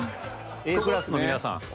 Ａクラスの皆さん。